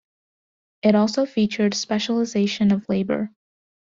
It also featured specialization of labor.